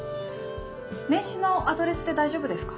名刺のアドレスで大丈夫ですか？